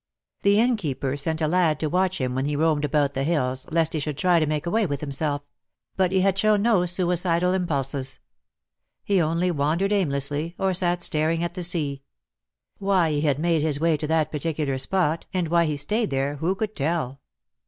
The Innkeeper sent a lad to watch him when he roamed about the hills, lest he should try to make away \vith himself — but he had shown no suicidal impulses. He only wandered aimlessly, or sat staring at the sea. Why he had made his way to that particular spot and why he stayed there who could tell?